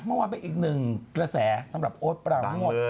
เมื่อวานเป็นอีกหนึ่งกระแสสำหรับโอ๊ตปราโมท